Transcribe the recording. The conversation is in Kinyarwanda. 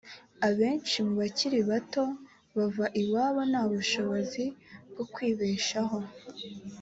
abenshi mu bakiri bato bava iwabo nta bushobozi ba te bwo kwibeshaho